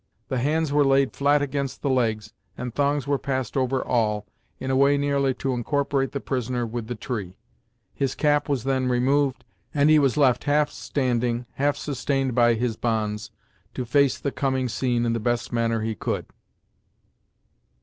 The hands were laid flat against the legs, and thongs were passed over all, in a way nearly to incorporate the prisoner with the tree. His cap was then removed, and he was left half standing, half sustained by his bonds, to face the coming scene in the best manner he could.